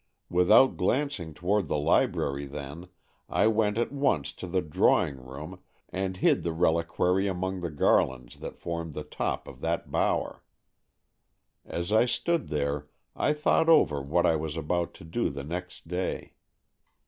Without glancing toward the library then, I went at once to the drawing room and hid the reliquary among the garlands that formed the top of that bower. As I stood there, I thought over what I was about to do the next day.